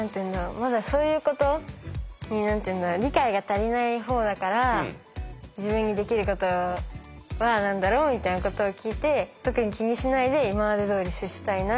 まずはそういうことに理解が足りないほうだから自分にできることは何だろうみたいなことを聞いて特に気にしないで今までどおり接したいなとは思います。